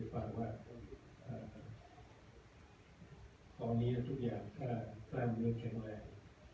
ผมได้อธิบายด้วยกับท่านครอบครัวได้ฟังว่าตอนนี้ทุกอย่างถ้าแปลงเนื้อแข็งแรง